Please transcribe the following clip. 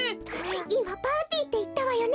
いまパーティーっていったわよね？